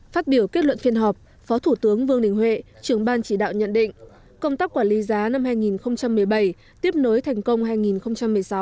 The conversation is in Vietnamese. phát biểu kết luận phiên họp phó thủ tướng vương đình huệ trưởng ban chỉ đạo nhận định công tác quản lý giá năm hai nghìn một mươi bảy tiếp nối thành công hai nghìn một mươi sáu